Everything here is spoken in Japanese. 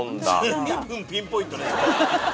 随分ピンポイント。